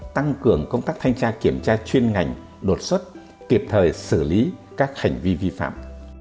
tăng cường công tác thanh tra kiểm tra chuyên ngành đột xuất kịp thời xử lý các hành vi vi phạm